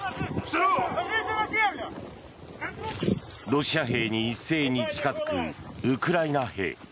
ロシア兵に一斉に近づくウクライナ兵。